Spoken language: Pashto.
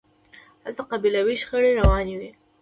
هلته قبیلوي شخړې روانې وي.